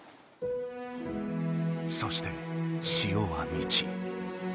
そして潮はみち。